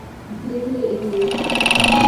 ধীরে ধীরে এগিয়ে এসো।